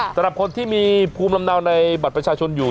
สำหรับคนที่มีภูมิลำเนาในบัตรประชาชนอยู่